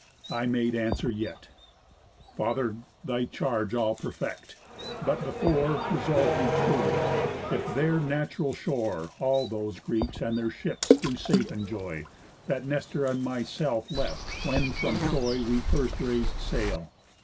I made answer yet: 'Father, thy charge I'll perfect; but before Resolve me truly, if their natural shore All those Greeks, and their ships, do safe enjoy, That Nestor and myself left, when from Troy We first rais'd sail?